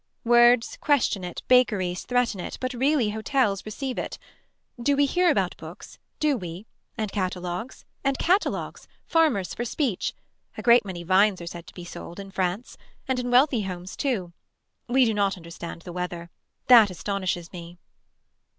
Words question it bakeries threaten it but really hotels receive it. Do we hear about books. Do we. And catalogues. And catalogues. Farmers for speech. A great many vines are said to be sold. In France. And in wealthy homes too. We do not understand the weather. That astonishes me.